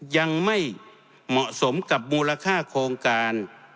ยังไม่เหมาะสมกับมูลค่าโครงการ